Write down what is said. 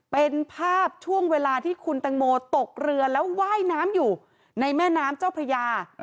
เป็นภาพช่วงเวลาที่คุณตังโมตกเรือแล้วว่ายน้ำอยู่ในแม่น้ำเจ้าพระยา